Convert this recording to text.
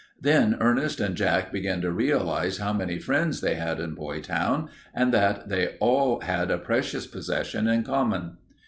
Then Ernest and Jack began to realize how many friends they had in Boytown and that they all had a precious possession in common.